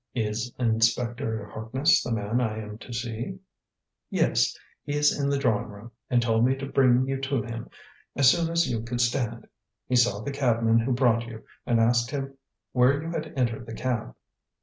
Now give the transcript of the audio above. "Is Inspector Harkness the man I am to see?" "Yes. He's in the drawing room, and told me to bring you to him as soon as you could stand. He saw the cabman who brought you, and asked him where you had entered the cab.